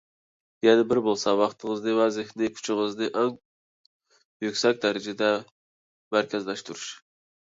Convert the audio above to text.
يەنە بىرى بولسا، ۋاقتىڭىزنى ۋە زېھنىي كۈچىڭىزنى ئەڭ يۈكسەك دەرىجىدە مەركەزلەشتۈرۈش.